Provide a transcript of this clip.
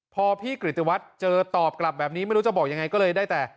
พอพี่กริติวัฒน์เจอตอบกลับแบบนี้ไม่รู้จะบอกยังไงก็เลยได้แต่